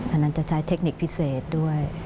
อันนั้นจะใช้เทคนิคพิเศษด้วย